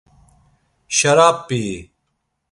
Şarap̌i-i?